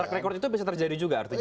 track record itu bisa terjadi juga artinya